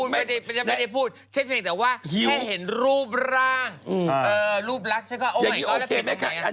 นี่เล่าให้ปังต่อ